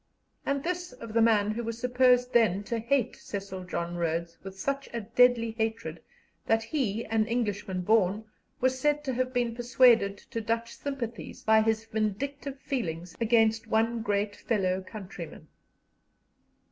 And this of the man who was supposed then to hate Cecil John Rhodes with such a deadly hatred that he, an Englishman born, was said to have been persuaded to Dutch sympathies by his vindictive feelings against one great fellow countryman.